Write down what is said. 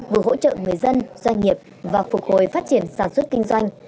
vừa hỗ trợ người dân doanh nghiệp và phục hồi phát triển sản xuất kinh doanh